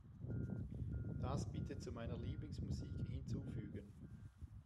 Das bitte zu meiner Lieblingsmusik hinzufügen.